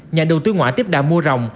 nhà đầu tư ngoại tiếp đà mua rồng